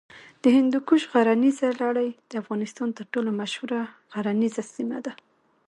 د هندوکش غرنیزه لړۍ د افغانستان تر ټولو مشهوره غرنیزه سیمه ده.